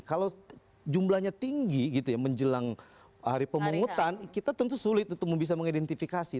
kalau jumlahnya tinggi gitu ya menjelang hari pemungutan kita tentu sulit untuk bisa mengidentifikasi